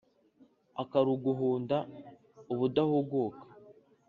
akaruguhunda ubudahuguka